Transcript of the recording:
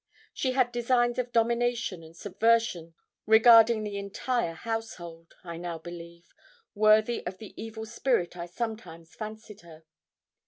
She had designs of domination and subversion regarding the entire household, I now believe, worthy of the evil spirit I sometimes fancied her.